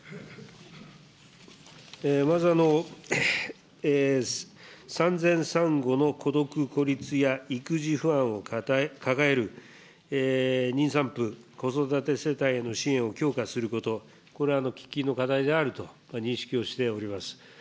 まず、産前産後の孤独孤立や、育児不安を抱える妊産婦、子育て世帯への支援を強化すること、これ、喫緊の課題であると認識をしております。